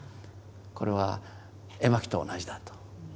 これは絵巻と同じだと。